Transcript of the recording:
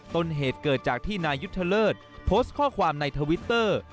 ต้นเหตุเกิดจากที่นายุทธเลิศโพสต์ข้อความในทวิตเตอร์